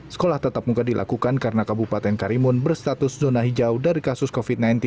sekolah tatap muka dilakukan karena kabupaten karimun berstatus zona hijau dari kasus covid sembilan belas